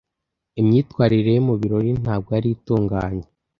Imyitwarire ye mu birori ntabwo yari itunganye.